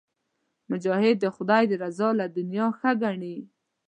مجاهد د خدای رضا له دنیا ښه ګڼي.